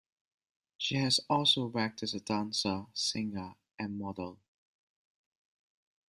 She has also worked as a dancer, singer, and model.